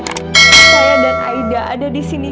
saya dan aida ada di sini